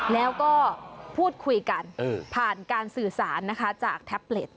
แล้วก็พูดคุยกันผ่านการสื่อสารนะคะจากแท็บเล็ต